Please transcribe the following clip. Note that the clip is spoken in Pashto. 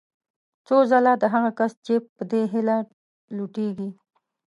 څو ځله د هغه کس جېب په دې هیله لوټېږي.